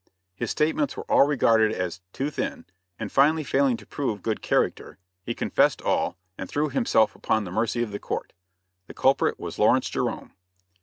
His statements were all regarded as "too thin," and finally failing to prove good character, he confessed all, and threw himself upon the mercy of the court. The culprit was Lawrence Jerome.